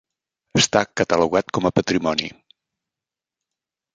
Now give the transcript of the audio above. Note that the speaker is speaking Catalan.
Està catalogat com a patrimoni.